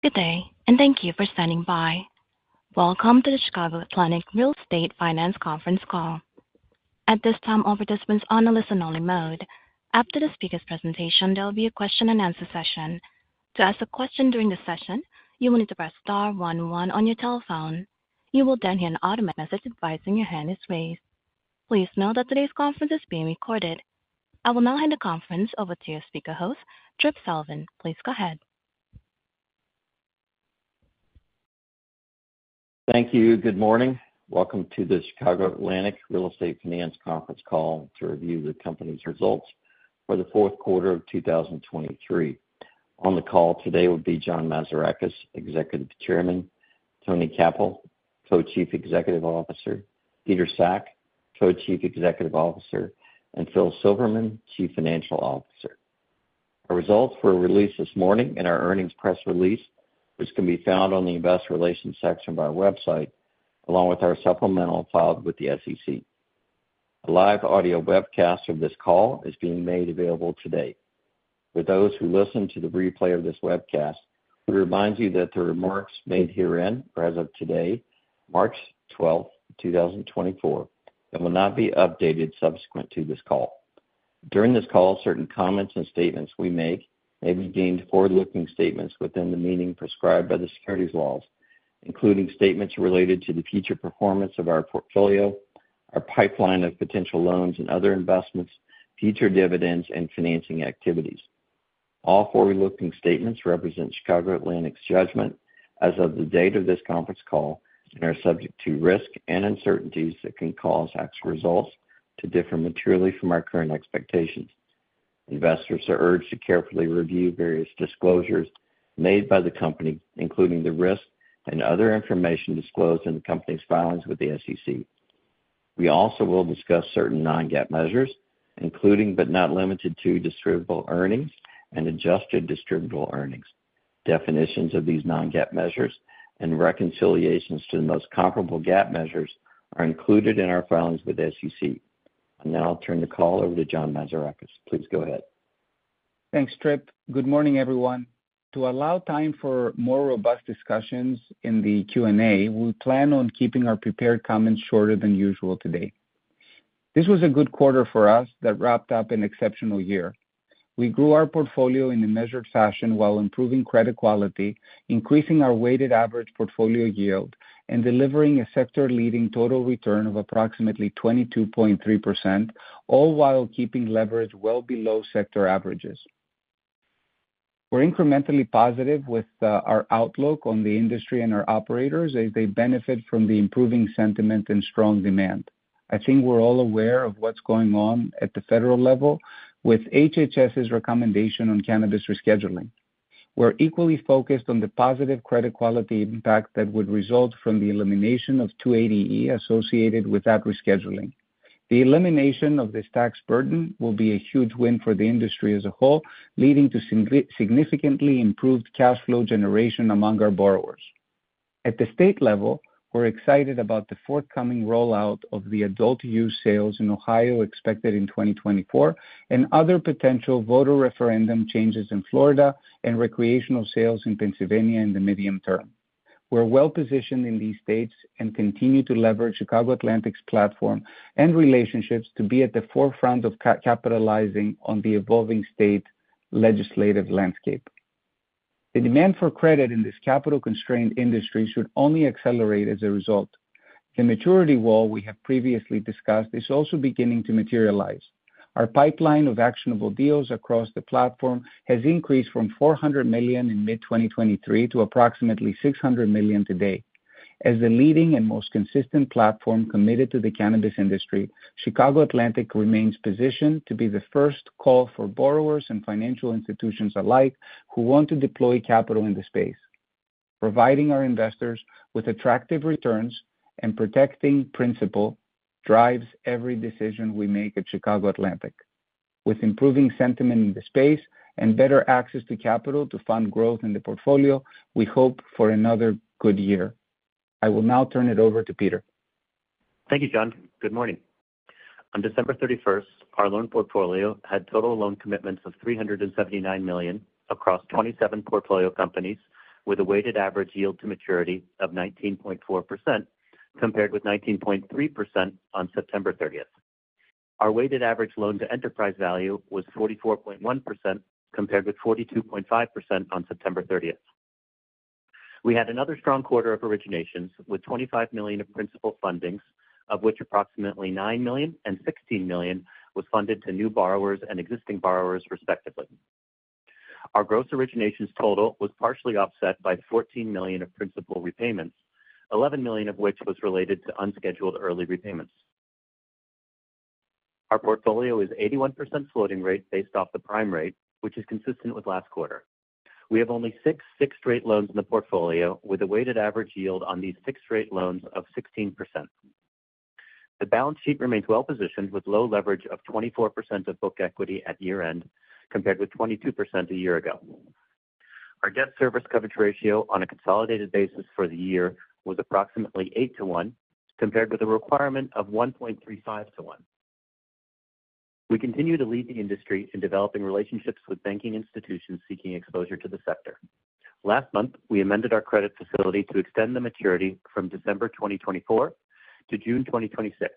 Good day, and thank you for standing by. Welcome to the Chicago Atlantic Real Estate Finance Conference Call. At this time, all participants are on a listen-only mode. After the speaker's presentation, there will be a question-and-answer session. To ask a question during the session, you will need to press star one one on your telephone. You will then hear an automated message advising your hand is raised. Please note that today's conference is being recorded. I will now hand the conference over to your speaker host, Tripp Sullivan. Please go ahead. Thank you. Good morning. Welcome to the Chicago Atlantic Real Estate Finance Conference Call to review the company's results for the fourth quarter of 2023. On the call today will be John Mazarakis, Executive Chairman, Tony Cappell, Co-Chief Executive Officer, Peter Sack, Co-Chief Executive Officer, and Phil Silverman, Chief Financial Officer. Our results were released this morning in our earnings press release, which can be found on the Investor Relations section of our website, along with our supplemental filed with the SEC. A live audio webcast of this call is being made available today. For those who listen to the replay of this webcast, we remind you that the remarks made herein are as of today, March 12, 2024, and will not be updated subsequent to this call. During this call, certain comments and statements we make may be deemed forward-looking statements within the meaning prescribed by the securities laws, including statements related to the future performance of our portfolio, our pipeline of potential loans and other investments, future dividends, and financing activities. All forward-looking statements represent Chicago Atlantic's judgment as of the date of this conference call and are subject to risk and uncertainties that can cause actual results to differ materially from our current expectations. Investors are urged to carefully review various disclosures made by the company, including the risks and other information disclosed in the company's filings with the SEC. We also will discuss certain non-GAAP measures, including, but not limited to, distributable earnings and adjusted distributable earnings. Definitions of these non-GAAP measures and reconciliations to the most comparable GAAP measures are included in our filings with the SEC. I'll now turn the call over to John Mazarakis. Please go ahead. Thanks, Tripp. Good morning, everyone. To allow time for more robust discussions in the Q&A, we plan on keeping our prepared comments shorter than usual today. This was a good quarter for us that wrapped up an exceptional year. We grew our portfolio in a measured fashion while improving credit quality, increasing our weighted average portfolio yield, and delivering a sector-leading total return of approximately 22.3%, all while keeping leverage well below sector averages. We're incrementally positive with our outlook on the industry and our operators as they benefit from the improving sentiment and strong demand. I think we're all aware of what's going on at the federal level with HHS's recommendation on cannabis rescheduling. We're equally focused on the positive credit quality impact that would result from the elimination of 280E associated with that rescheduling. The elimination of this tax burden will be a huge win for the industry as a whole, leading to significantly improved cash flow generation among our borrowers. At the state level, we're excited about the forthcoming rollout of the adult use sales in Ohio, expected in 2024, and other potential voter referendum changes in Florida and recreational sales in Pennsylvania in the medium term. We're well positioned in these states and continue to leverage Chicago Atlantic's platform and relationships to be at the forefront of capitalizing on the evolving state legislative landscape. The demand for credit in this capital-constrained industry should only accelerate as a result. The maturity wall we have previously discussed is also beginning to materialize. Our pipeline of actionable deals across the platform has increased from $400 million in mid-2023 to approximately $600 million today. As the leading and most consistent platform committed to the cannabis industry, Chicago Atlantic remains positioned to be the first call for borrowers and financial institutions alike who want to deploy capital in the space. Providing our investors with attractive returns and protecting principal drives every decision we make at Chicago Atlantic. With improving sentiment in the space and better access to capital to fund growth in the portfolio, we hope for another good year. I will now turn it over to Peter. Thank you, John. Good morning. On December 31, our loan portfolio had total loan commitments of $379 million across 27 portfolio companies, with a weighted average yield to maturity of 19.4%, compared with 19.3% on September 30. We had another strong quarter of originations, with $25 million of principal fundings, of which approximately $9 million and $16 million was funded to new borrowers and existing borrowers, respectively. Our gross originations total was partially offset by $14 million of principal repayments, $11 million of which was related to unscheduled early repayments. Our portfolio is 81% floating rate based off the prime rate, which is consistent with last quarter. We have only 6 fixed-rate loans in the portfolio, with a weighted average yield on these fixed-rate loans of 16%. The balance sheet remains well positioned, with low leverage of 24% of book equity at year-end, compared with 22% a year ago. Our debt service coverage ratio on a consolidated basis for the year was approximately 8 to 1, compared with a requirement of 1.35 to 1. We continue to lead the industry in developing relationships with banking institutions seeking exposure to the sector. Last month, we amended our credit facility to extend the maturity from December 2024 to June 2026,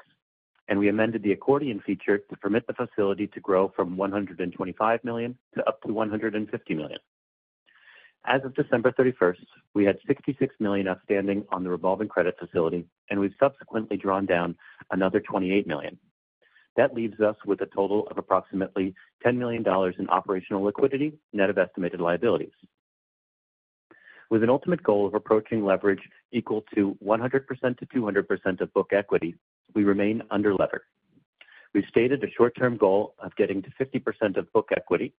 and we amended the accordion feature to permit the facility to grow from $125 million to up to $150 million. As of December 31st, we had $66 million outstanding on the revolving credit facility, and we've subsequently drawn down another $28 million. That leaves us with a total of approximately $10 million in operational liquidity, net of estimated liabilities. With an ultimate goal of approaching leverage equal to 100%-200% of book equity, we remain underlevered. We've stated a short-term goal of getting to 50% of book equity,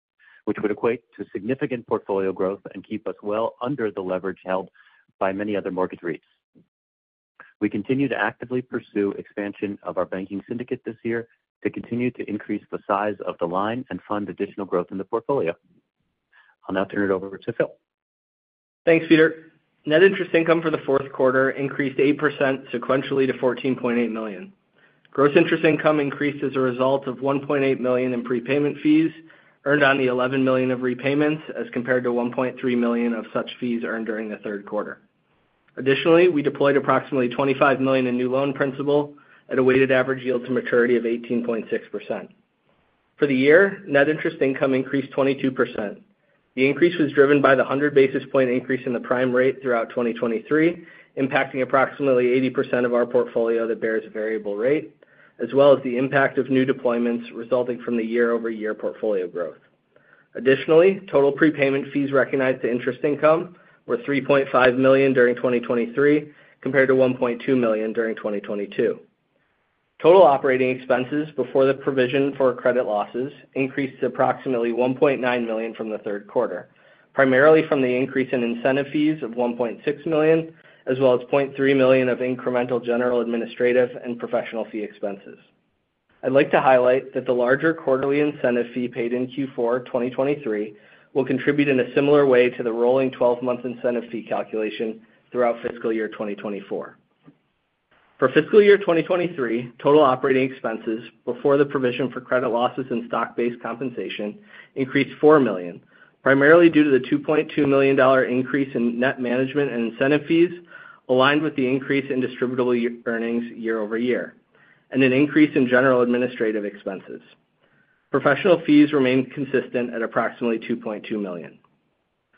which would equate to significant portfolio growth and keep us well under the leverage held by many other mortgage REITs. We continue to actively pursue expansion of our banking syndicate this year to continue to increase the size of the line and fund additional growth in the portfolio. I'll now turn it over to Phil. Thanks, Peter. Net interest income for the fourth quarter increased 8% sequentially to $14.8 million. Gross interest income increased as a result of $1.8 million in prepayment fees, earned on the $11 million of repayments, as compared to $1.3 million of such fees earned during the third quarter. Additionally, we deployed approximately $25 million in new loan principal at a weighted average yield to maturity of 18.6%. For the year, net interest income increased 22%. The increase was driven by the 100 basis point increase in the prime rate throughout 2023, impacting approximately 80% of our portfolio that bears variable rate, as well as the impact of new deployments resulting from the year-over-year portfolio growth. Additionally, total prepayment fees recognized to interest income were $3.5 million during 2023, compared to $1.2 million during 2022. Total operating expenses before the provision for credit losses increased to approximately $1.9 million from the third quarter, primarily from the increase in incentive fees of $1.6 million, as well as $0.3 million of incremental general, administrative and professional fee expenses. I'd like to highlight that the larger quarterly incentive fee paid in Q4 2023 will contribute in a similar way to the rolling twelve-month incentive fee calculation throughout fiscal year 2024. For fiscal year 2023, total operating expenses before the provision for credit losses and stock-based compensation increased $4 million, primarily due to the $2.2 million increase in net management and incentive fees, aligned with the increase in distributable earnings year-over-year, and an increase in general administrative expenses. Professional fees remained consistent at approximately $2.2 million.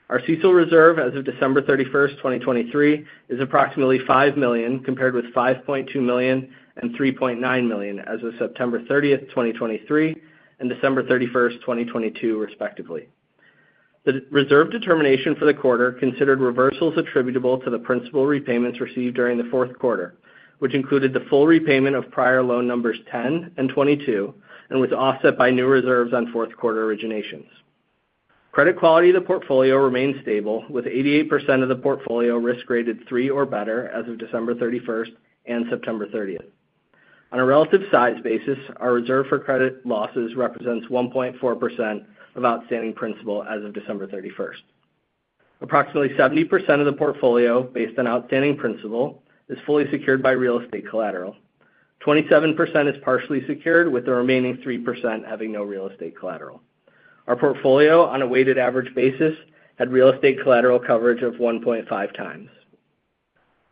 Our CECL reserve as of December 31st, 2023, is approximately $5 million, compared with $5.2 million and $3.9 million as of September 30th, 2023, and December 31st, 2022, respectively. The reserve determination for the quarter considered reversals attributable to the principal repayments received during the fourth quarter, which included the full repayment of prior loan numbers 10 and 22, and was offset by new reserves on fourth quarter originations. Credit quality of the portfolio remained stable, with 88% of the portfolio risk graded 3 or better as of December 31st and September 30th. On a relative size basis, our reserve for credit losses represents 1.4% of outstanding principal as of December 31st. Approximately 70% of the portfolio, based on outstanding principal, is fully secured by real estate collateral. 27% is partially secured, with the remaining 3% having no real estate collateral. Our portfolio, on a weighted average basis, had real estate collateral coverage of 1.5 times.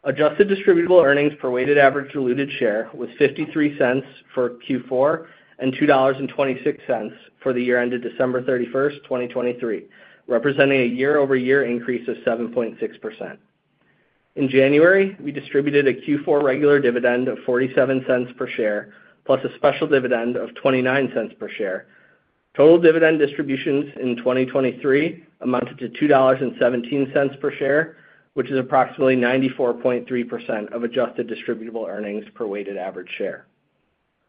Adjusted distributable earnings per weighted average diluted share was $0.53 for Q4 and $2.26 for the year ended December 31st, 2023, representing a year-over-year increase of 7.6%. In January, we distributed a Q4 regular dividend of $0.47 per share, plus a special dividend of $0.29 per share. Total dividend distributions in 2023 amounted to $2.17 per share, which is approximately 94.3% of adjusted distributable earnings per weighted average share.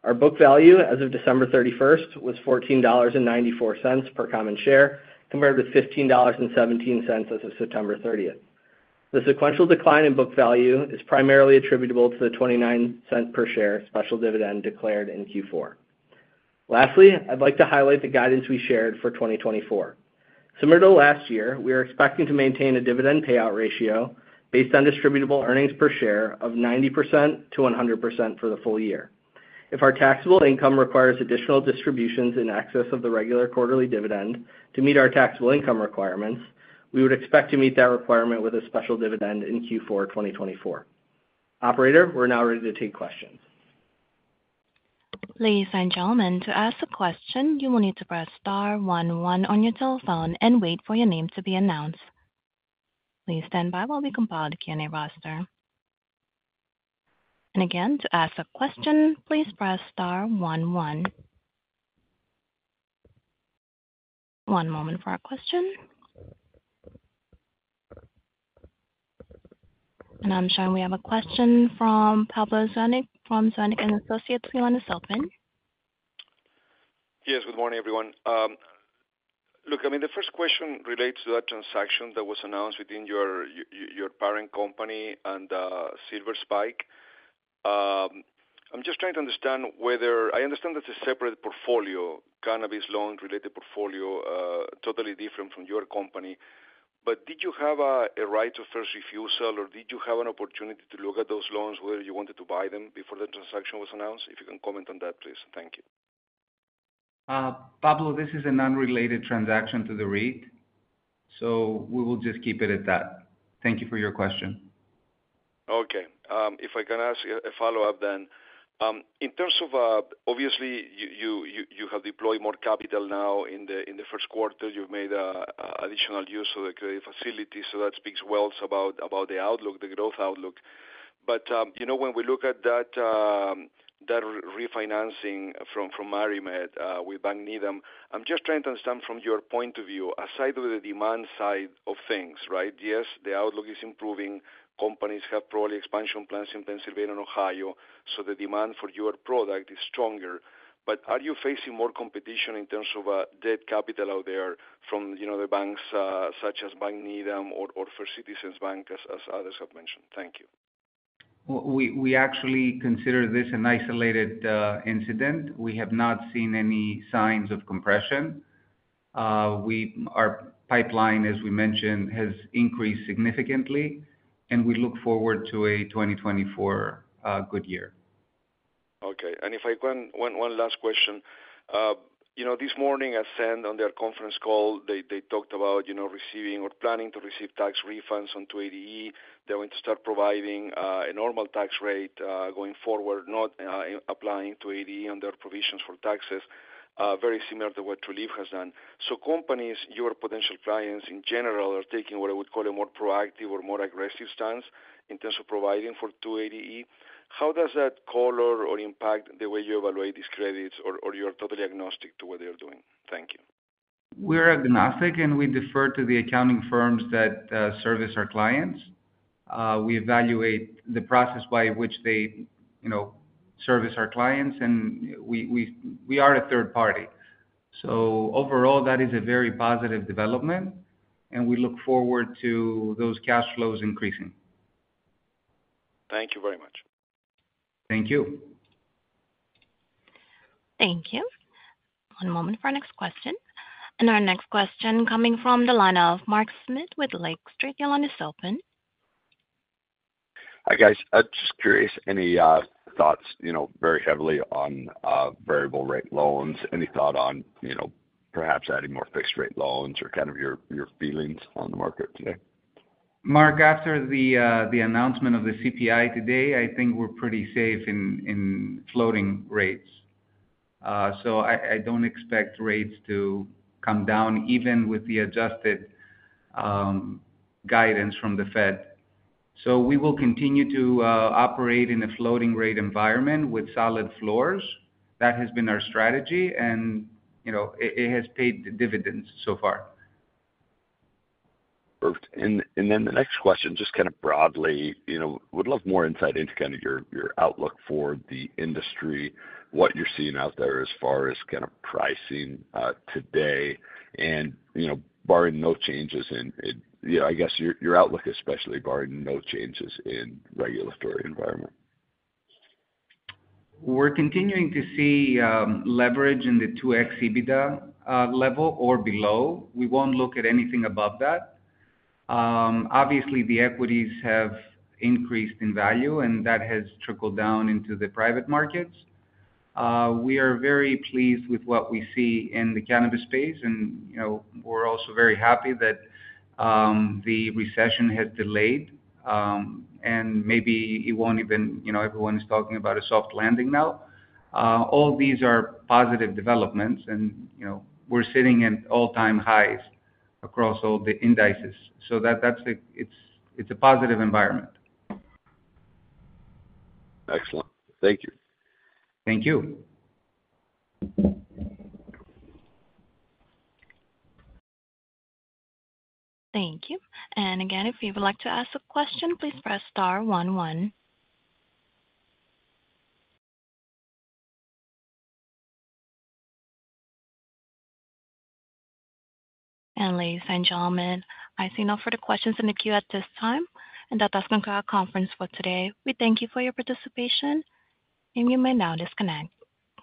Our book value as of December 31st was $14.94 per common share, compared with $15.17 as of September 30th. The sequential decline in book value is primarily attributable to the $0.29 per share special dividend declared in Q4. Lastly, I'd like to highlight the guidance we shared for 2024. Similar to last year, we are expecting to maintain a dividend payout ratio based on Distributable Earnings per share of 90%-100% for the full year. If our taxable income requires additional distributions in excess of the regular quarterly dividend to meet our taxable income requirements, we would expect to meet that requirement with a special dividend in Q4 2024. Operator, we're now ready to take questions. Ladies and gentlemen, to ask a question, you will need to press star one one on your telephone and wait for your name to be announced. Please stand by while we compile the Q&A roster. And again, to ask a question, please press star one one. One moment for our question. And I'm showing we have a question from Pablo Zuanic, from Zuanic & Associates. You want to start then? Yes, good morning, everyone. Look, I mean, the first question relates to that transaction that was announced within your parent company and Silver Spike. I'm just trying to understand whether—I understand that's a separate portfolio, cannabis loan-related portfolio, totally different from your company. But did you have a right of first refusal, or did you have an opportunity to look at those loans, whether you wanted to buy them before the transaction was announced? If you can comment on that, please. Thank you. Pablo, this is an unrelated transaction to the REIT, so we will just keep it at that. Thank you for your question. Okay. If I can ask a follow-up then. In terms of, obviously, you have deployed more capital now in the first quarter, you've made additional use of the credit facility, so that speaks well about the outlook, the growth outlook. But you know, when we look at that refinancing from MariMed with Needham Bank, I'm just trying to understand from your point of view, aside from the demand side of things, right? Yes, the outlook is improving. Companies have probably expansion plans in Pennsylvania and Ohio, so the demand for your product is stronger. But are you facing more competition in terms of debt capital out there from, you know, the banks such as Needham Bank or Citizens Bank, as others have mentioned? Thank you. Well, we actually consider this an isolated incident. We have not seen any signs of compression. Our pipeline, as we mentioned, has increased significantly, and we look forward to a 2024 good year. Okay. And if I can, one, one last question. You know, this morning, Ascend, on their conference call, they, they talked about, you know, receiving or planning to receive tax refunds on 280E. They're going to start providing a normal tax rate going forward, not applying to 280E under provisions for taxes, very similar to what Trulieve has done. So companies, your potential clients in general, are taking what I would call a more proactive or more aggressive stance in terms of providing for 280E. How does that color or impact the way you evaluate these credits or, or you're totally agnostic to what they are doing? Thank you. We're agnostic, and we defer to the accounting firms that service our clients. We evaluate the process by which they, you know, service our clients, and we are a third party. So overall, that is a very positive development, and we look forward to those cash flows increasing. Thank you very much. Thank you. Thank you. One moment for our next question. Our next question coming from the line of Mark Smith with Lake Street. Your line is open. Hi, guys. I'm just curious, any thoughts, you know, very heavily on variable rate loans? Any thought on, you know, perhaps adding more fixed rate loans or kind of your feelings on the market today? Mark, after the announcement of the CPI today, I think we're pretty safe in floating rates. So I don't expect rates to come down, even with the adjusted guidance from the Fed. So we will continue to operate in a floating rate environment with solid floors. That has been our strategy, and, you know, it has paid dividends so far. Perfect. And then the next question, just kind of broadly, you know, would love more insight into kind of your outlook for the industry, what you're seeing out there as far as kind of pricing today, and, you know, barring no changes in, yeah, I guess your outlook, especially barring no changes in regulatory environment. We're continuing to see leverage in the 2x EBITDA level or below. We won't look at anything above that. Obviously, the equities have increased in value, and that has trickled down into the private markets. We are very pleased with what we see in the cannabis space, and, you know, we're also very happy that the recession has delayed, and maybe it won't even, you know, everyone is talking about a soft landing now. All these are positive developments, and, you know, we're sitting at all-time highs across all the indices. So that, that's it's, it's a positive environment. Excellent. Thank you. Thank you. Thank you. And again, if you would like to ask a question, please press star 1, 1. And ladies and gentlemen, I see no further questions in the queue at this time, and that does conclude our conference for today. We thank you for your participation, and you may now disconnect.